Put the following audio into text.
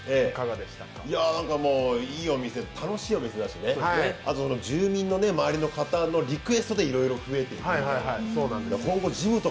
いいお店、楽しいお店だしね住民の周りの方のリクエストでいろいろ増えていくと。